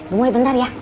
gemburi bentar ya